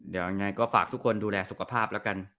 เดี๋ยวยังไงก็ฝากทุกคนดูแลสุขภาพแล้วกัน